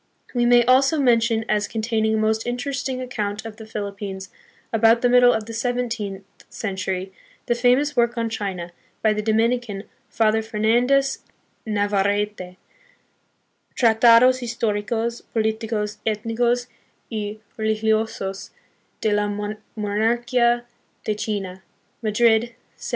We may also mention as containing a most interesting account of the Philippines about the middle of the seven teenth century, the famous work on China, by the Domini can, Father Fernandez Navarrete, Tratados historicos, politi cos, ethnicos, y religiosos de la Monarchia de China, Madrid, 1767.